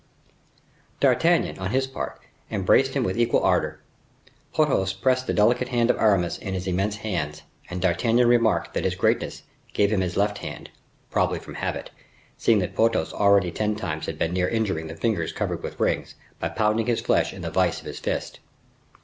D'Artagnan, on his part, embraced him with equal ardor. Porthos pressed the delicate hand of Aramis in his immense hands, and D'Artagnan remarked that His Greatness gave him his left hand, probably from habit, seeing that Porthos already ten times had been near injuring his fingers covered with rings, by pounding his flesh in the vise of his fist.